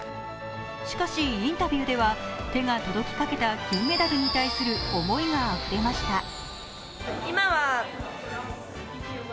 しかしインタビューでは手が届きかけた金メダルに対する思いがあふれました。